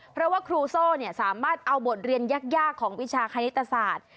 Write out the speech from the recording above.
เพราะว่าครูโซ่สามารถเอาบทเรียนยากของวิชาคณิตศาสตร์